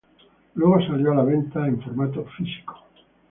Luego salió a la venta en formato "físico".